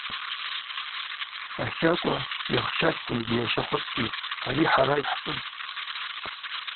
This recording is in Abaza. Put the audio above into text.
Ахакӏва йахщачкӏвынгьи йащахвыцгьи – Ари хӏара йхӏчӏвыпӏ.